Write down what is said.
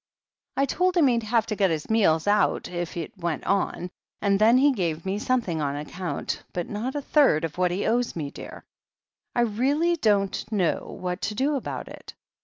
I told him he'd have to get his meals out if it went on, and then he gave me something on account — ^but not a third of what he owes me, dear. I really don't know what to do about it.